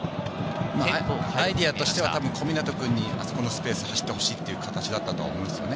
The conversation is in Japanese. アイデアとしてはたぶん小湊君に、あそこのスペース走ってほしいという形だったと思いますね。